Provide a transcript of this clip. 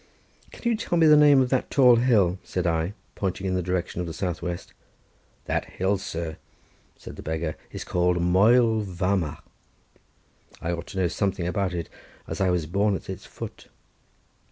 "Can you tell me the name of that tall hill?" said I, pointing in the direction of the south west. "That hill, sir," said the beggar, "is called Moel Vamagh; I ought to know something about it as I was born at its foot."